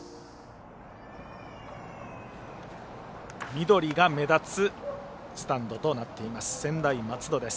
緑が目立つスタンドとなっています。